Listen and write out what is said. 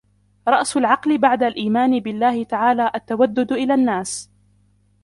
رَأْسُ الْعَقْلِ بَعْدَ الْإِيمَانِ بِاَللَّهِ تَعَالَى التَّوَدُّدُ إلَى النَّاسِ